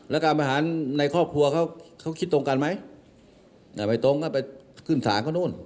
อะไรอีกอะ